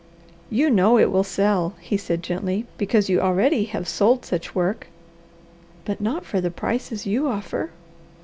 "You know it will sell," he said gently, "because you already have sold such work." "But not for the prices you offer."